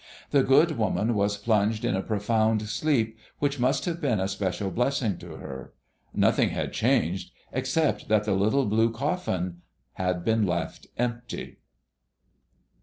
The good woman was plunged in a profound sleep which must have been a special blessing to her. Nothing had changed, except that the little blue coffin had been left empty.